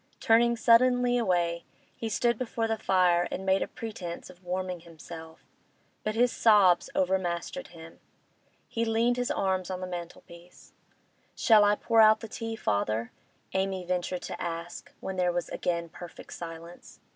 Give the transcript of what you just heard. Turning suddenly away, he stood before the fire and made a pretence of warming himself; but his sobs overmastered him. He leaned his arms on the mantel piece. 'Shall I pour out the tea, father?' Amy ventured to ask, when there was again perfect silence.